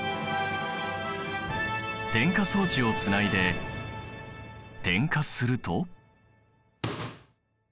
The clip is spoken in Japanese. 点火装置をつないで点火すると。